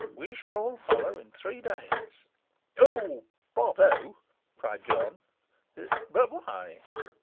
We shall all follow in three days.' 'Oh, brayvo!' cried John. 'But why?